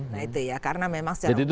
nah itu ya karena memang sejarah pembangunan